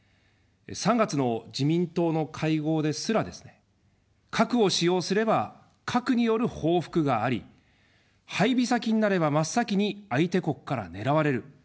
３月の自民党の会合ですらですね、核を使用すれば核による報復があり、配備先になれば真っ先に相手国から狙われる。